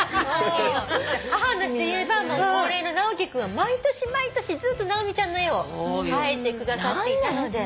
母の日といえば恒例の直樹君毎年毎年ずっと直美ちゃんの絵を描いてくださっていたので。